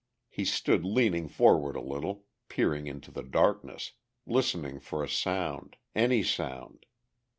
He stood leaning forward a little, peering into the darkness, listening for a sound, any sound.